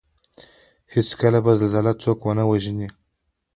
هېڅکله به زلزله څوک ونه وژني